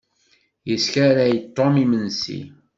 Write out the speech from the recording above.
Yeskaray Tom imensi.